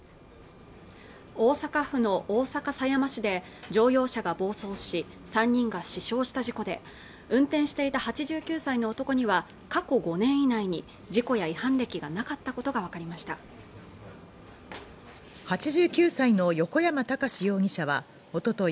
大阪府の大阪狭山市で乗用車が暴走し３人が死傷した事故で運転していた８９歳の男には過去５年以内に事故や違反歴がなかったことが分かりました８９歳の横山孝容疑者はおととい